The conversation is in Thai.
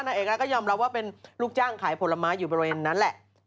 เอกแล้วก็ยอมรับว่าเป็นลูกจ้างขายผลไม้อยู่บริเวณนั้นแหละ